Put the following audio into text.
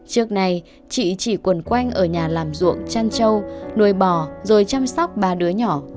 trước nay chị chỉ quần quanh ở nhà làm ruộng chăn trâu nuôi bò rồi chăm sóc ba đứa nhỏ